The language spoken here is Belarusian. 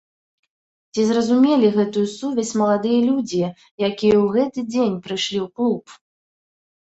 Ці зразумелі гэтую сувязь маладыя людзі, якія ў гэты дзень прыйшлі ў клуб?